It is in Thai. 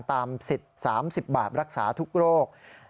สิทธิ์๓๐บาทรักษาทุกโรค